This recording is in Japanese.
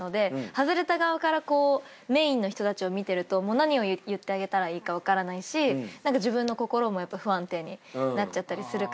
外れた側からこうメインの人たちを見てると何を言ってあげたらいいか分からないし自分の心も不安定になっちゃったりするから。